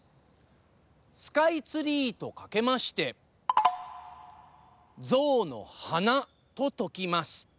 スカイツリーとかけまして象の鼻とときます。